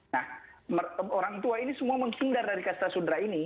nah orang tua ini semua menghindar dari kasta sudra ini